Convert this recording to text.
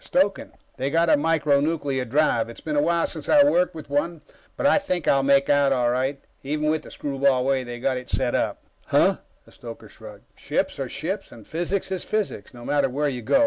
"Stoking. They've got a micro nuclear drive. It's been a while since I worked with one, but I think I'll make out all right, even with the screwball way they've got it set up." "Huh?" The stoker shrugged. "Ships are ships, and physics is physics, no matter where you go.